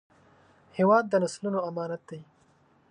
هېواد د نسلونو امانت دی